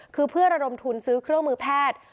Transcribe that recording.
คือเพื่อระดมทุนซื้อเครื่องมือแพทย์